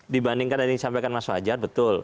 dibandingkan dari yang disampaikan mas wajar betul